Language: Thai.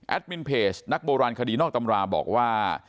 มินเพจนักโบราณคดีนอกตำราบอกว่า